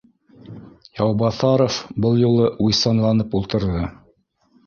Яубаҫаров был юлы уйсанланып ултырҙы: